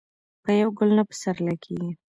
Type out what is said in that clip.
په یو ګل نه پسرلې کیږي.